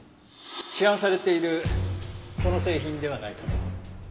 市販されているこの製品ではないかと。